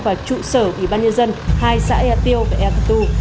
và trụ sở ủy ban nhân dân hai xã ea tiêu và ea thu tù